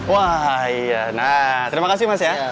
wah iya nah terima kasih mas ya